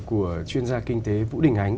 của chuyên gia kinh tế vũ đình ánh